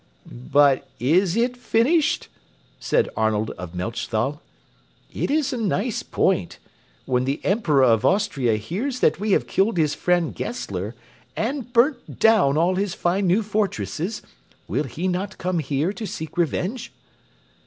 "But is it finished?" said Arnold of Melchthal. "It is a nice point. When the Emperor of Austria hears that we have killed his friend Gessler, and burnt down all his fine new fortresses, will he not come here to seek revenge?"